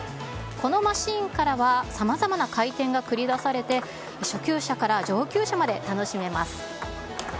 このマシンからはさまざまな回転が繰り出されて、初級者から上級者まで楽しめます。